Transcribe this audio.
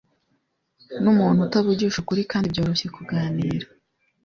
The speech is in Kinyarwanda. Numuntu utavugisha ukuri kandi byoroshye kuganira.